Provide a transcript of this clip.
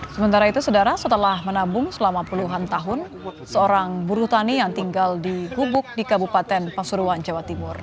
sementara itu sedara setelah menabung selama puluhan tahun seorang buruh tani yang tinggal di gubuk di kabupaten pasuruan jawa timur